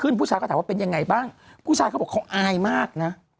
ผู้ชายก็ถามว่าเป็นยังไงบ้างผู้ชายเขาบอกเขาอายมากนะ